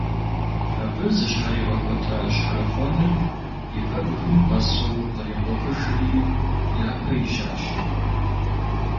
Абы зыщхьэригъэкӀуэта щхьэрыхъуэныр и пэбгым къэсу кърикъухыжри, япэ ищащ.